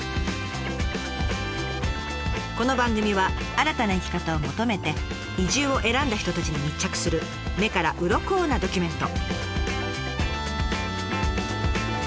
この番組は新たな生き方を求めて移住を選んだ人たちに密着する目からうろこなドキュメント。